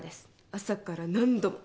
朝から何度も。